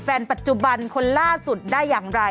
แฟนปัจจุบันคนล่าสุดได้อย่างไร